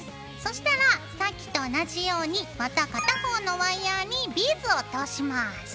そしたらさっきと同じようにまた片方のワイヤーにビーズを通します。